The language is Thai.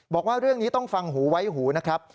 บอกว่าเรื่องนี้ต้องฟังหูไว้หูนะครับ